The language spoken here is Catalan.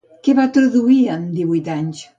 Què va traduir amb divuit anys?